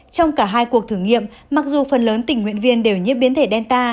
trong cả hai cuộc thử nghiệm mặc dù phần lớn tình nguyện viên đều nhiễm biến thể delta